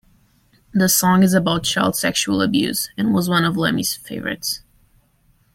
The song is about child sexual abuse, and was one of Lemmy's favourites.